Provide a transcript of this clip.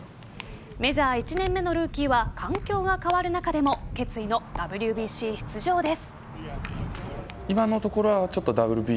メジャー１年目のルーキーは環境が変わる中でも決意のＷＢＣ出場です。